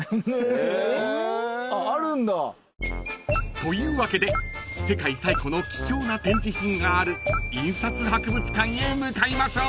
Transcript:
［というわけで世界最古の貴重な展示品がある印刷博物館へ向かいましょう］